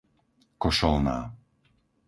Košolná